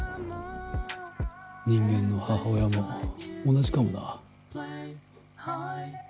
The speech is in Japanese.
人間の母親も同じかもな。